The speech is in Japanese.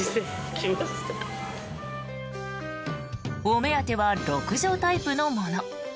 お目当ては６畳タイプのもの。